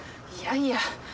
いやいや！